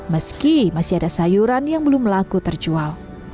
meski masih ada sayuran yang belum laku terjual